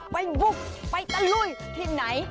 บุกไปตะลุยที่ไหน